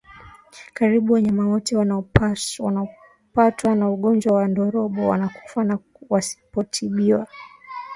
Karibu wanyama wote wanaopatwa na ugonjwa wa ndorobo wanakufa kama wasipotibiwa